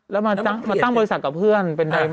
แล้วมาตั้งบริษัทกับเพื่อน